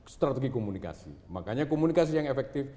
strategi komunikasi makanya komunikasi yang efektif